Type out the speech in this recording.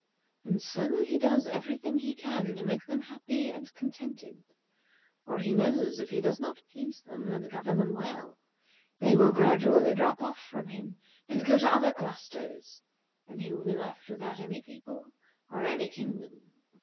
And so he does every thing that he can to make them happy and contented, for he knows if he does not please them and govern them well, they will gradually drop off from him and go to other clusters, and he will be left without any people or any kingdom."